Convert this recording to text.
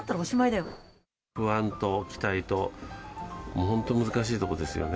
不安と期待と、もう本当、難しいところですよね。